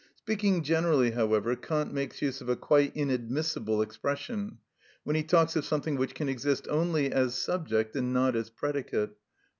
Speaking generally, however, Kant makes use of a quite inadmissible expression when he talks of something which can exist only as subject and not as predicate (_e.